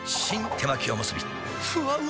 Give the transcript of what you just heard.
手巻おむすびふわうま